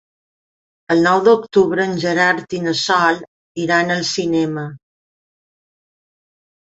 El nou d'octubre en Gerard i na Sol iran al cinema.